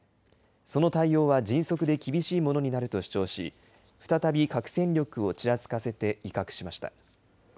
その対応は迅速で厳しいものになると主張し、再び核戦力をちらつかせて威嚇しました。